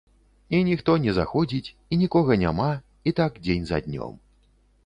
І ніхто не заходзіць, і нікога няма, і так дзень за днём.